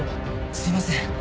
すいません。